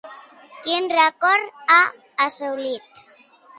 Quin rècord ha assolit?